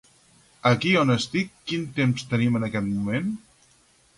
Aquí on estic, quin temps tenim en aquest moment?